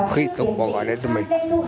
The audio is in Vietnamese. khi tục bỏ gọi đến tụi mình